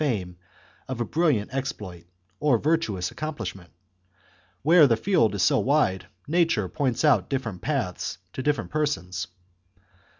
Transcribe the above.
fame of a brilliant exploit or virtuous accomplishment. Where the field is so wide, nature points out different paths to different persons.